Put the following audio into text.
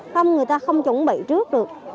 không người ta không chuẩn bị trước được